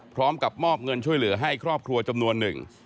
พร้อมกับมอบเงินช่วยเหลือให้ครอบครัวจำนวนหนึ่ง